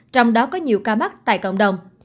trong đó có nhiều ca mắc tại cộng đồng